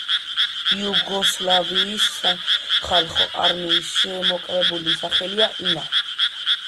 იუგოსლავიის სახალხო არმიის შემოკლებული სახელია ინა.